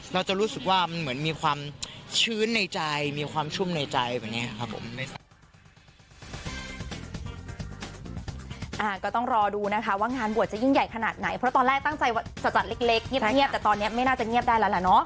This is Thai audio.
เราจะรู้สึกว่ามันเหมือนมีความชื้นในใจมีความชุ่มในใจ